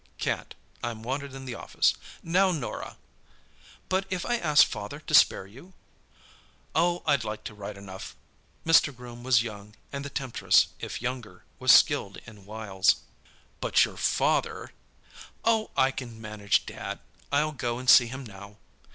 "Can't; I'm wanted in the office. Now, Norah—" "But if I asked father to spare you?" "Oh, I'd like to right enough." Mr. Groom was young, and the temptress, if younger, was skilled in wiles. "But your father—" "Oh, I can manage Dad. I'll go and see him now."